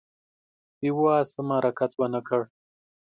يوه آس هم حرکت ونه کړ.